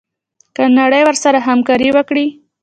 که نړۍ ورسره همکاري وکړي.